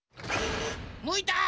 むいた！